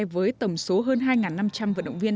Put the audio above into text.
với tổng số hơn hai năm trăm linh vận động viên